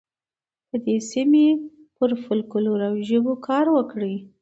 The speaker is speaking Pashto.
د دې سیمې پر فولکلور او ژبو کار وکړئ.